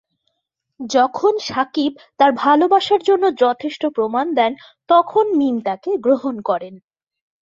যখন শাকিব তার ভালবাসার জন্য যথেষ্ট প্রমাণ দেন, তখন মীম তাকে গ্রহণ করেন।